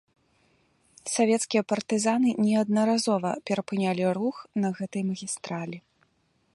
Савецкія партызаны неаднаразова перапынялі рух на гэтай магістралі.